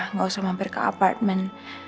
nggak usah mampir ke apartemen